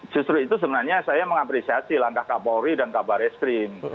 justru itu sebenarnya saya mengapresiasi langkah kapolri dan kabar eskrim